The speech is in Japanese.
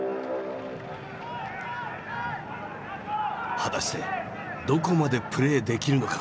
果たしてどこまでプレーできるのか？